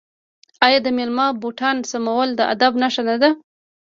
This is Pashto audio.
آیا د میلمه بوټان سمول د ادب نښه نه ده؟